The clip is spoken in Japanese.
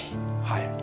はい。